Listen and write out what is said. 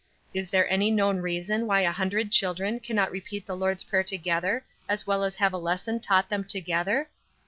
Is there any known reason why a hundred children cannot repeat the Lord's Prayer together as well as have a lesson taught them together?